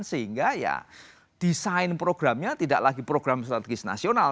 sehingga ya desain programnya tidak lagi program strategis nasional